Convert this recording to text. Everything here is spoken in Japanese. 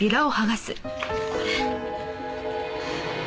これ。